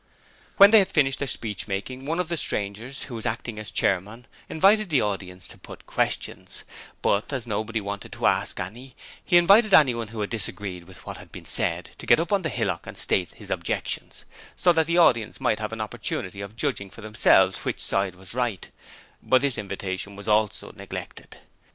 When they had finished their speech making one of the strangers who was acting as chairman invited the audience to put questions, but as nobody wanted to ask any, he invited anyone who disagreed with what had been said to get up on the hillock and state his objections, so that the audience might have an opportunity of judging for themselves which side was right; but this invitation was also neglected.